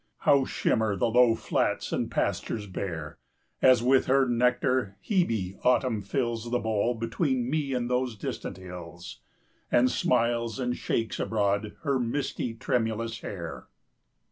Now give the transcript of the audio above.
How shimmer the low flats and pastures bare, As with her nectar Hebe Autumn fills 5 The bowl between me and those distant hills, And smiles and shakes abroad her misty, tremulous hair!